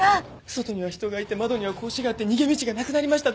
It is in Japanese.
外には人がいて窓には格子があって逃げ道がなくなりました。